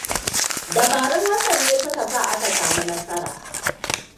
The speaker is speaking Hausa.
Dabarun Hassan ne suka sa aka samu nasara.